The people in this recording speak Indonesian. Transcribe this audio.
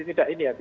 tidak ini ya